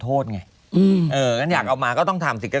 ไปพร้อมกัน๗ช่องได้หรือไง